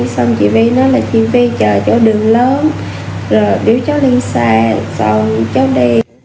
xong chị vi nói là chị vi chờ cho đường lớn rồi đưa cháu đi xa xong cháu đi